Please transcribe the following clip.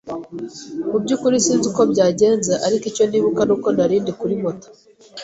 mu byukuri sinzi uko byagenze ariko icyo nibuka nuko nari ndi kuri moto